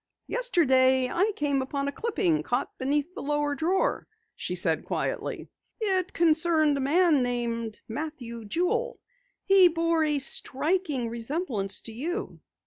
"Yesterday I came upon a clipping caught beneath the lower drawer," she said quietly. "It concerned a man named Matthew Jewel. He bore a striking resemblance to you."